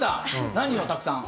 何をたくさん？